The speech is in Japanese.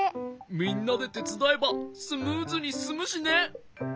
みんなでてつだえばスムーズにすすむしね。